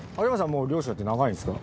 もう漁師やって長いんですか？